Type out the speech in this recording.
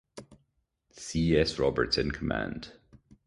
C. S. Roberts in command.